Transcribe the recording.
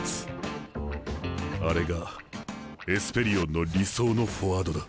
あれがエスペリオンの理想のフォワードだ。